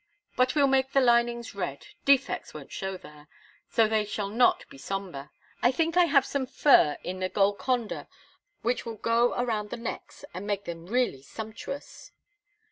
But we'll make the lining red defects won't show there so they shall not be sombre. I think I have some fur in the Golconda which will go around the necks, and make them really sumptuous."